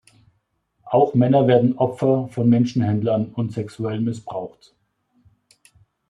Auch Männer werden Opfer von Menschenhändlern und sexuell missbraucht.